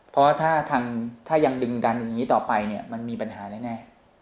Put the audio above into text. เพราะถ้ายังดึงดันอย่างนี้ต่อไปเนี่ยมันมีปัญหาแน่